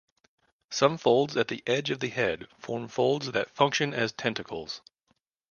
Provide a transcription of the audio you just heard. Some folds at the edge of the head form folds that function as tentacles.